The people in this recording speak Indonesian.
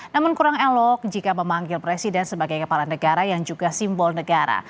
namun kurang elok jika memanggil presiden sebagai kepala negara yang juga simbol negara